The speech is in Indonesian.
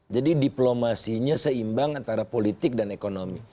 jadi diplomasinya seimbang antara politik dan ekonomi